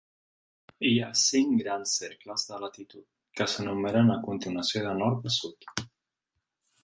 Hi ha cinc grans cercles de latitud, que s'enumeren a continuació de nord a sud.